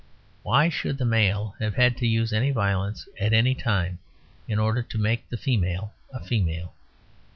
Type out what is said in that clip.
Why should the male have had to use any violence at any time in order to make the female a female?